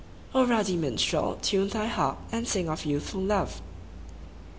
ruddy minstrel, time thy harp. And sing of Youthful Love